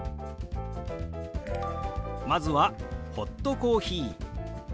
まずは「ホットコーヒー」。